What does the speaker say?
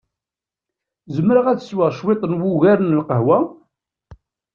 Zemreɣ ad sweɣ ciṭ n wugar n lqehwa?